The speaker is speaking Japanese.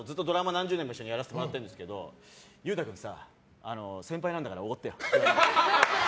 何十年も一緒にやらせていただいてるんですけど裕太君さ、先輩なんだからおごってよって。